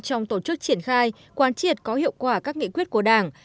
trong tổ chức triển khai quán triệt có hiệu quả các nghị quyết của đảng